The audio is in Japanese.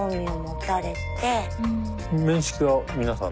面識は皆さん。